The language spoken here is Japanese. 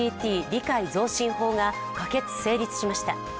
理解増進法が可決・成立しました。